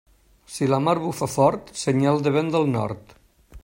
Si la mar bufa fort, senyal de vent del nord.